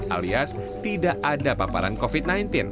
alias tidak ada paparan covid sembilan belas